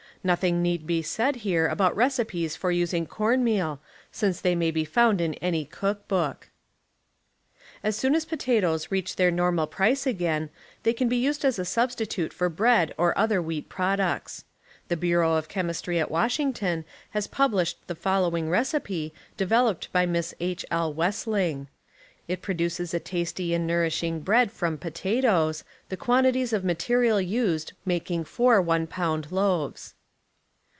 Nothing need be said here about recipes for using cornmeal since tliey may be found in any cookbook. As soon as potatoes reach their normal price again, they can be used as a substitute for bread or other wheat products. The Bureau of Chemistry at Washington has published the following 19 p recipe developed by Miss H. L. Wessling. It pro duces a tasty and nourishing bread from potatoes. the quantities of material used making four one pound loaves.